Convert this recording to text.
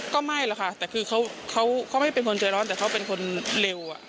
ก็ไม่หรอกค่ะแต่คือเขาไม่เป็นคนใจร้อนแต่เขาเป็นคนเร็ว